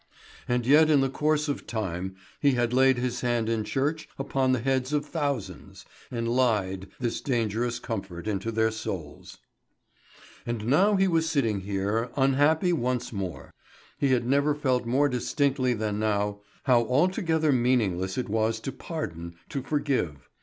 And yet in the course of time he had laid his hand in church upon the heads of thousands, and lied this dangerous comfort into their souls. And now he was sitting here, unhappy once more. He had never felt more distinctly than now how altogether meaningless it was to pardon, to forgive.